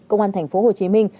công an thành phố hồ chí minh